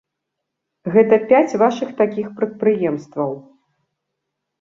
Гэта пяць вашых такіх прадпрыемстваў.